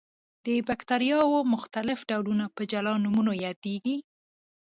د باکتریاوو مختلف ډولونه په جلا نومونو یادیږي.